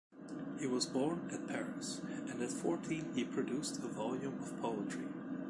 He was born at Paris, and at fourteen he produced a volume of poetry.